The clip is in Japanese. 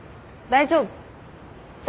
大丈夫。